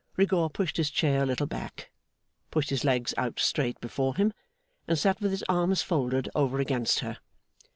Rigaud pushed his chair a little back; pushed his legs out straight before him; and sat with his arms folded over against her.